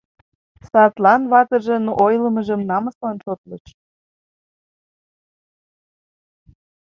Садлан ватыжын ойлымыжым намыслан шотлыш.